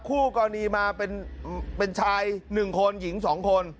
คู่กรณีมาเป็นชาย๑คนหญิง๒คน